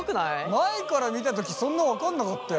前から見た時そんな分かんなかったよ。